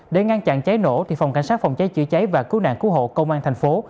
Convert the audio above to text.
để ngăn chặn cháy nổ thì phòng cảnh sát phòng cháy chữa cháy và cứu nạn cứu hộ công an thành phố